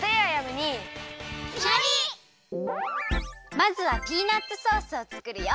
まずはピーナツソースをつくるよ。